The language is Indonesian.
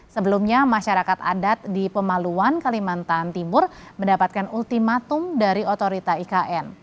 sebelumnya masyarakat adat di pemaluan kalimantan timur mendapatkan ultimatum dari otorita ikn